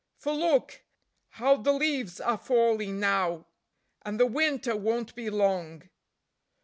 For look! How the leaves are falling now, and the winter won't be long.